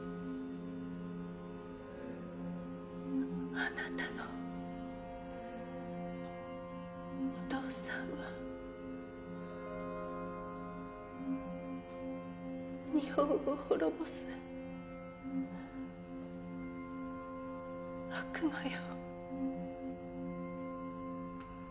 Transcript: あなたのお父さんは日本を滅ぼす悪魔よ。